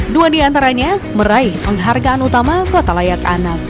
dua diantaranya meraih penghargaan utama kota layak anak